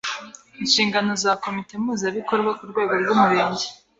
e. Inshingano za Komite Mpuzabikorwa ku rwegorw’Umurenge